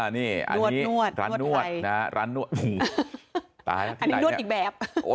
นวดร้านนวดอันนี้นวดอีกแบบ